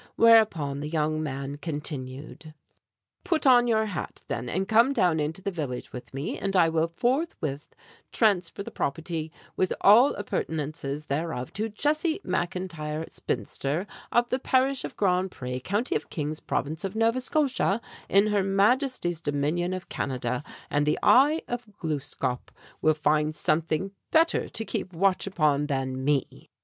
Whereupon the young man continued: "Put on your hat, then, and come down into the village with me, and I will forthwith transfer the property, with all appurtenances thereof, to Jessie McIntyre, spinster, of the parish of Grand Pré, County of Kings, Province of Nova Scotia, in her Majesty's Dominion of Canada; and the 'Eye of Gluskâp' will find something better to keep watch upon than me!"